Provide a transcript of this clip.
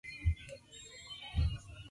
Generalmente ponen tres huevos.